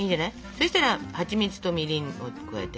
そしたらはちみつとみりんを加えて。